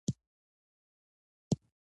ځکه د سعودي حکومت داسې اثارو ساتنه نه کوي.